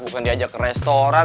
bukan diajak ke restoran